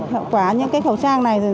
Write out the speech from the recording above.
hậu quả những cái khẩu trang này